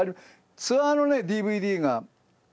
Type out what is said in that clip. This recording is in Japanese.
ツアーのねＤＶＤがあってね。